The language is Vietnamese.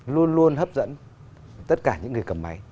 luôn luôn hấp dẫn tất cả những người cầm máy